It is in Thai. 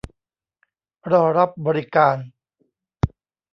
รอรับบริการ